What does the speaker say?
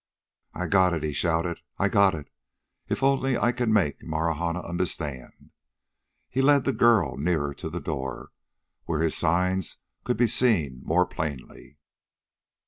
"I've got it," he shouted. "I've got it! If only I can make Marahna understand!" He led the girl nearer to the door, where his signs could be seen more plainly.